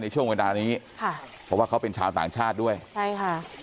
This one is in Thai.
ช่วงเวลานี้ค่ะเพราะว่าเขาเป็นชาวต่างชาติด้วยใช่ค่ะ